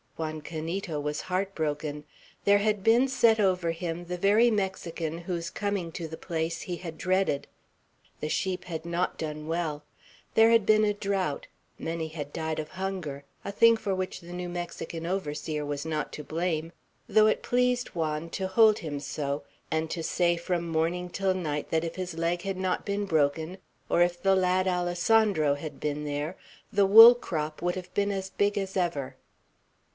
Juan Canito was heart broken. There had been set over him the very Mexican whose coming to the place he had dreaded. The sheep had not done well; there had been a drought; many had died of hunger, a thing for which the new Mexican overseer was not to blame, though it pleased Juan to hold him so, and to say from morning till night that if his leg had not been broken, or if the lad Alessandro had been there, the wool crop would have been as big as ever.